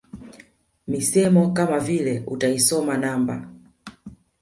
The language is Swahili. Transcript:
Misemo kama vile utaisoma namba